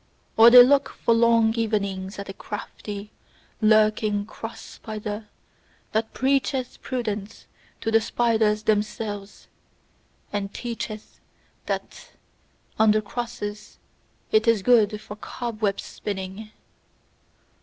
Or they look for long evenings at a crafty, lurking cross spider, that preacheth prudence to the spiders themselves, and teacheth that "under crosses it is good for cobweb spinning!"